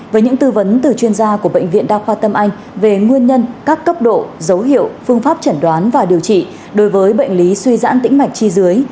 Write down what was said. với những tư vấn từ chuyên gia của bệnh viện đa khoa tâm anh về nguyên nhân các cấp độ dấu hiệu phương pháp chẩn đoán và điều trị đối với bệnh lý suy giãn tĩnh mạch chi dưới